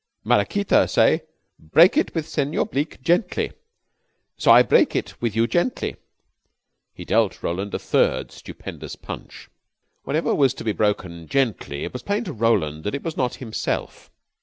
Maraquita say 'Break it with Senor Bleke gently.' So I break it with you gently." He dealt Roland a third stupendous punch. Whatever was to be broken gently, it was plain to Roland that it was not himself.